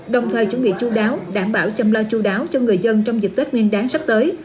đồng thời chuẩn bị chú đáo đảm bảo chăm lo chú đáo cho người dân trong dịp tết nguyên đáng sắp tới